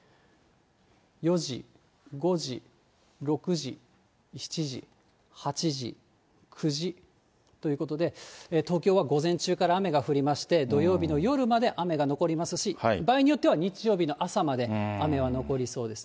４時、５時、６時、７時、８時、９時ということで、東京は午前中から雨が降りまして、土曜日の夜まで雨が残りますし、場合によっては日曜日の朝まで雨は残りそうです。